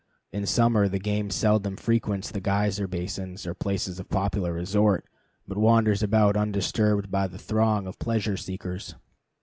In summer the game seldom frequents the geyser basins or places of popular resort, but wanders about undisturbed by the throng of pleasure seekers.